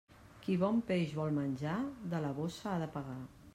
Qui bon peix vol menjar, de la bossa ha de pagar.